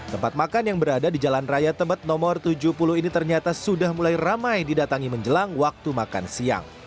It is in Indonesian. tempat makan yang berada di jalan raya tebet nomor tujuh puluh ini ternyata sudah mulai ramai didatangi menjelang waktu makan siang